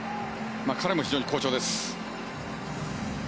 彼も非常に好調です。